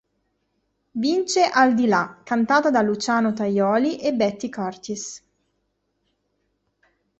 Vince "Al di là", cantata da Luciano Tajoli e Betty Curtis.